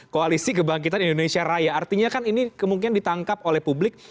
koalisi kebangkitan indonesia raya artinya kan ini kemungkinan ditangkap oleh publik